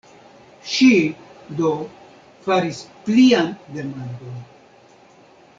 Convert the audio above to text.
Ŝi, do, faris plian demandon.